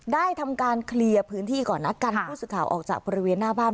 ได้ทำการเคลียร์พื้นที่ก่อนนะกันผู้สื่อข่าวออกจากบริเวณหน้าบ้าน